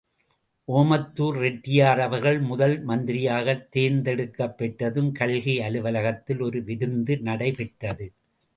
ஓமந்துர் ரெட்டியார் அவர்கள் முதன் மந்திரியாகத் தேர்ந்தெடுக்கப் பெற்றதும் கல்கி அலுவலகத்தில் ஒரு விருந்து நடைபெற்றது.